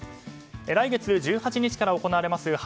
来月１８日から行われます